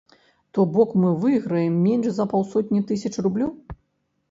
То бок мы выйграем менш за паўсотні тысяч рублёў?!